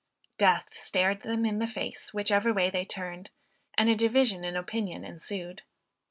Death stared them in the face whichever way they turned, and a division in opinion ensued.